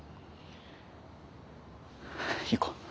行こう。